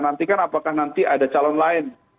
nantikan apakah nanti ada calon lain